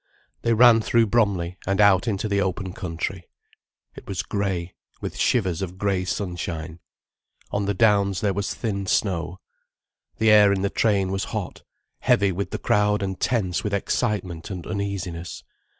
They ran through Bromley and out into the open country. It was grey, with shivers of grey sunshine. On the downs there was thin snow. The air in the train was hot, heavy with the crowd and tense with excitement and uneasiness.